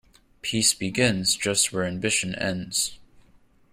Peace begins just where ambition ends.